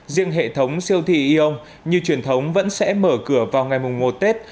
riêng hệ thống siêu thị eon như truyền thống vẫn sẽ mở cửa vào ngày một tết